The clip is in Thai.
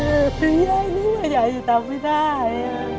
อยู่ตรงนี้ไม่ได้